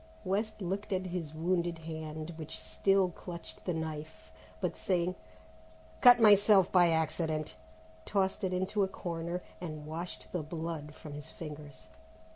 West looked at his wounded hand, which still clutched the knife, but saying, "Cut myself by accident," tossed it into a corner and washed the blood from his fingers.